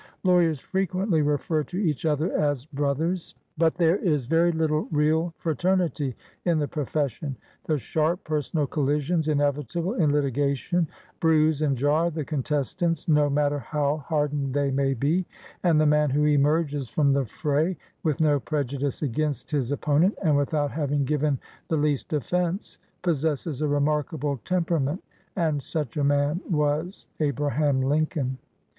Law yers frequently refer to each other as brothers, 106 EARLY SUCCESS IN THE COURTS but there is very little real fraternity in the pro fession. The sharp, personal collisions inevitable in litigation bruise and jar the contestants, no matter how hardened they may be, and the man who emerges from the fray with no prejudice against his opponent and without having given the least offense possesses a remarkable tempera ment — and such a man was Abraham Lincoln.